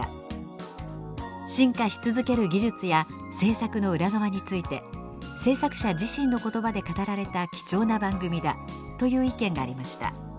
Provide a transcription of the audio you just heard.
「進化し続ける技術や制作の裏側について制作者自身の言葉で語られた貴重な番組だ」という意見がありました。